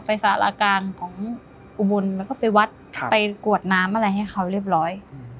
สารากลางของอุบลแล้วก็ไปวัดไปกวดน้ำอะไรให้เขาเรียบร้อย